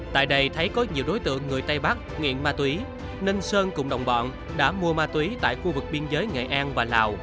tại đây thấy có nhiều đối tượng người tây bắc nghiện ma túy nên sơn cùng đồng bọn đã mua ma túy tại khu vực biên giới nghệ an và lào